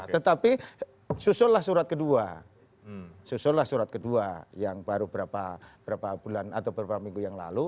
tetapi susulah surat kedua susullah surat kedua yang baru beberapa bulan atau beberapa minggu yang lalu